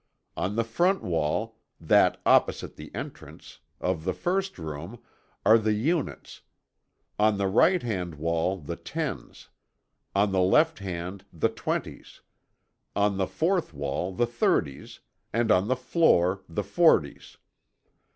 On the front wall that opposite the entrance of the first room, are the units; on the right hand wall the tens; on the left hand the twenties; on the fourth wall the thirties; and on the floor the forties.